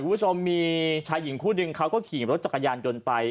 ผู้ชมมีชายหญิงคู่เดียวเค้าก็ขี่โรคจักรยานจนไป